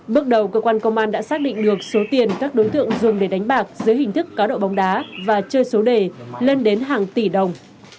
bước đầu cơ quan công an đã xác định được số tiền các đối tượng dùng để đánh bạc dưới hình thức cá độ bóng đá và chơi số đề lên đến hàng tỷ đồng